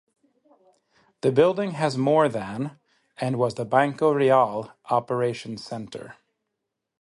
The building has more than and was the Banco Real operations center.